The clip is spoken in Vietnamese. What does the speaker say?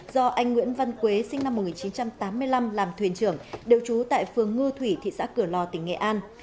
do anh nguyễn văn quế sinh năm một nghìn chín trăm tám mươi năm làm thuyền trưởng đều trú tại phường ngư thủy thị xã cửa lò tỉnh nghệ an